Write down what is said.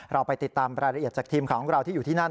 เราไปติดตามรายละเอียดจากทีมข่าวของเราที่อยู่ที่นั่น